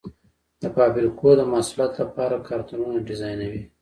د فابریکو د محصولاتو لپاره کارتنونه ډیزاینوي.